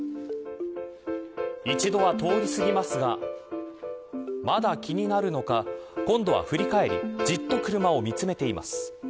一度は通り過ぎますがまだ気になるのか今度は振り返りじっと車を見つめています。